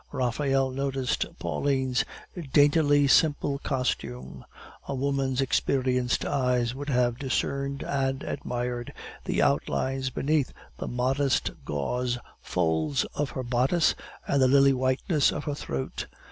Raphael noticed Pauline's daintily simple costume. A woman's experienced eyes would have discerned and admired the outlines beneath the modest gauze folds of her bodice and the lily whiteness of her throat.